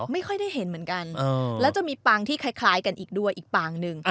ไม่ค่อยได้เห็นเหมือนกันแล้วจะมีปางที่คล้ายกันอีกด้วยอีกปางหนึ่ง